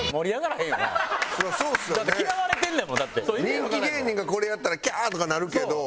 人気芸人がこれやったらキャー！とかなるけど。